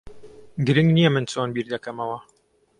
گرنگ نییە من چۆن بیر دەکەمەوە.